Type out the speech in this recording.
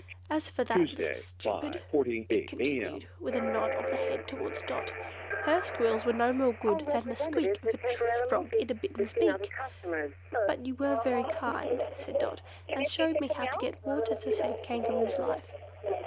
As for that little stupid," it continued, with a nod of the head towards Dot, "her squeals were no more good than the squeak of a tree frog in a Bittern's beak." "But you were very kind," said Dot, "and showed me how to get water to save Kangaroo's life."